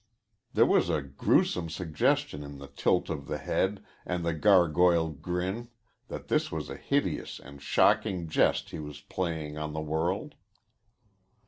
There was a grewsome suggestion in the tilt of the head and the gargoyle grin that this was a hideous and shocking jest he was playing on the world.